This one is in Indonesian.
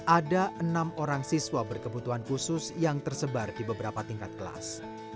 ada enam orang siswa berkebutuhan khusus yang tersebar di beberapa tingkat kelas